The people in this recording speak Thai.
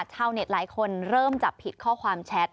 ชาวเน็ตหลายคนเริ่มจับผิดข้อความแชท